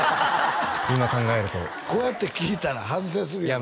今考えるとこうやって聞いたら反省するやろいや